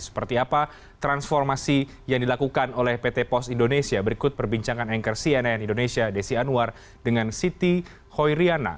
seperti apa transformasi yang dilakukan oleh pt pos indonesia berikut perbincangan anchor cnn indonesia desi anwar dengan siti hoiriana